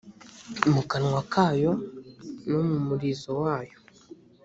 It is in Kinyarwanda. mu kanwa kayo no mu mirizo yayo